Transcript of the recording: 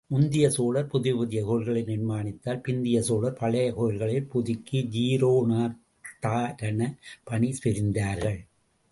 முந்திய சோழர் புதிய புதிய கோயில்களை நிர்மாணித்தால், பிந்திய சோழர் பழைய கோயில்களைப் புதுக்கி ஜீரணோத்தாரணப் பணி புரிந்தார்கள்.